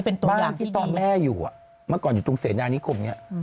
แล้วนางที่ตอบแม่อยู่มาก่อนอยู่ตรงเศรษฐานนิคมนี่